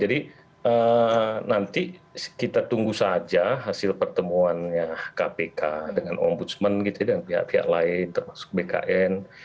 jadi nanti kita tunggu saja hasil pertemuannya kpk dengan om busman dan pihak pihak lain termasuk bkn